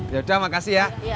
yaudah makasih ya